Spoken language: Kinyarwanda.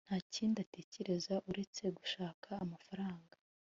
nta kindi atekereza uretse gushaka amafaranga